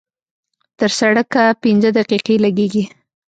تر سړکه پينځه دقيقې لګېږي.